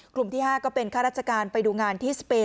กลุ่มที่๕ก็เป็นข้าราชการไปดูงานที่สเปน